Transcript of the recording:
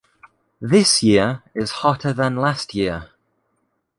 This year is hotter than last year.